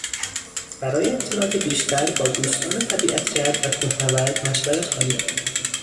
برای اطلاعات بیشتر با دوستان طبیعت گرد و کوهنورد مشورت کنید.